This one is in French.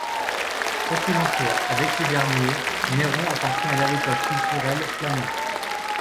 Quoi qu’il en soit, avec ces derniers, Néron appartient à l’héritage culturel flamand.